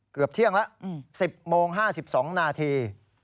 เกือบเที่ยงแล้ว๑๐โมง๕๒นาที